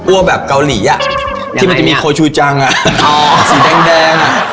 อ้วกแบบเกาหลีที่มันจะมีโคชูจังส์สีแดง